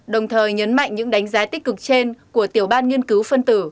đồng thời nhấn mạnh những đánh giá tích cực trên của tiểu ban nghiên cứu phân tử